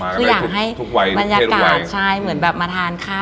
คืออยากให้บรรยากาศใช่เหมือนแบบมาทานข้าว